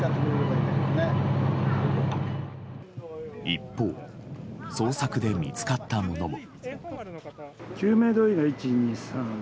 一方、捜索で見つかったものも。